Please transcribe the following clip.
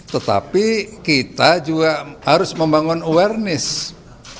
tetapi kita juga harus membangun awareness